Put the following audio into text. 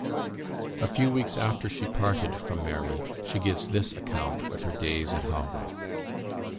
'" A few weeks after she parted from Mary, she gives this account of her days at Haworth.